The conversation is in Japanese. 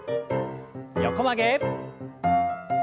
横曲げ。